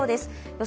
予想